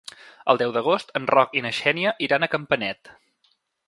El deu d'agost en Roc i na Xènia iran a Campanet.